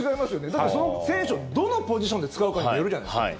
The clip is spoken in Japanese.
だって、その選手をどのポジションで使うかによるじゃないですか。